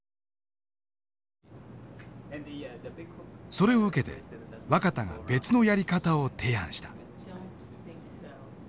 それを受けて若田が別のやり方を提案した。